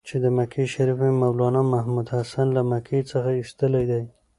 چې د مکې شریف مولنا محمودحسن له مکې څخه ایستلی دی.